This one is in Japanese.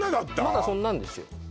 まだそんなんですよ